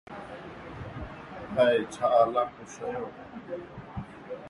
It was used for Art and Geography at A-Level and Biology at A-Level.